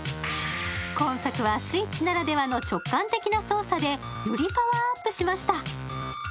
今作はＳｗｉｔｃｈならではの直感的な操作でよりパワーアップしました。